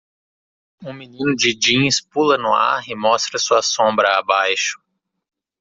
Um menino de jeans pula no ar e mostra sua sombra abaixo.